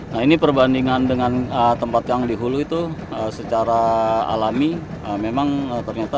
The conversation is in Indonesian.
nah ini perbandingan dengan tempat yang di hulu itu secara alami memang ternyata